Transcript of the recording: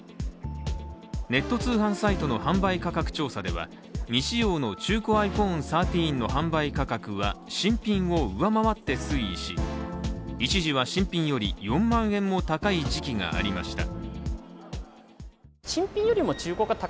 ネット通販サイトの販売価格調査では未使用の中古ｉＰｈｏｎｅ１３の販売価格は新品を上回って推移し一時は新品より４万円も高い時期がありました。